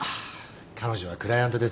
彼女はクライアントですよ。